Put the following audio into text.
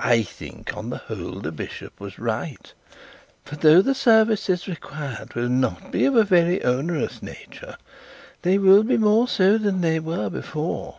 I think on the whole the bishop was right; for though the service required will not be of a very onerous nature, they will be more so than they were before.